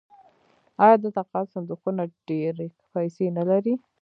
آیا د تقاعد صندوقونه ډیرې پیسې نلري؟